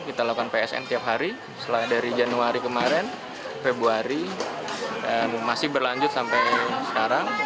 kita lakukan psn tiap hari dari januari kemarin februari dan masih berlanjut sampai sekarang